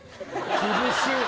厳しい！